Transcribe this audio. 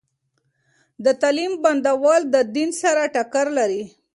د تعليم بندول د دین سره ټکر لري.